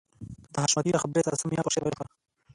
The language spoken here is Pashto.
د حشمتي له خبرې سره سم مينه په شعر ويلو شوه.